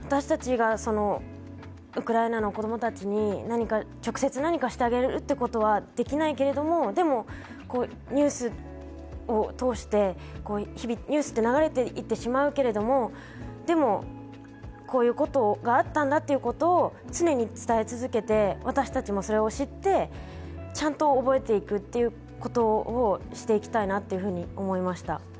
私達がウクライナの子供たちに何か直接何かしてあげるってことはできないけれども、でもニュースを通して日々ニュースで流れていってしまうけれども、でも、こういうことがあったんだっていうことを常に伝え続けて、私達もそれを知ってちゃんと覚えていくっていうことをしていきたいなっていうふうに思いました。